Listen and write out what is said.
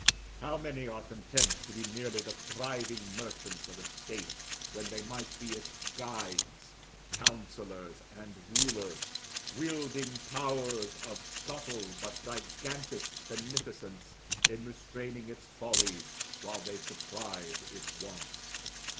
How many are content to be merely the thriving merchants of a state, when they might be its guides, counsellors, and rulers wielding powers of subtle but gigantic beneficence, in restraining its follies while they supplied its wants.